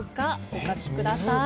お書きください。